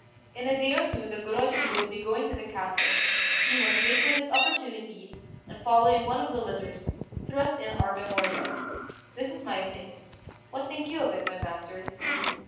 In a day or two the Gorôjiu will be going to the castle; we must wait for this opportunity, and following one of the litters, thrust in our memorial. This is my opinion: what think you of it, my masters?"